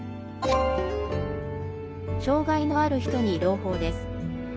障害のある人に朗報です。